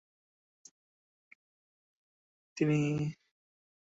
কেন তিনি তাকে ছেড়ে চলে গেলেন এবং তারপর কীভাবে তিনি ম্যাডাম হলেন এবং এর পিছনে কারা ছিলেন।